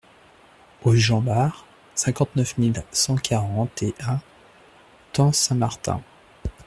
Rue Jean Bar, cinquante-neuf mille cent quarante et un Thun-Saint-Martin